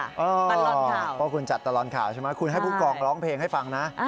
เพราะคุณจัดตลอดข่าวใช่ไหมคุณให้ผู้กองร้องเพลงให้ฟังนะ